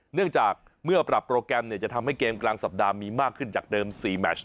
เนื่องจากเมื่อปรับโปรแกรมจะทำให้เกมกลางสัปดาห์มีมากขึ้นจากเดิม๔แมช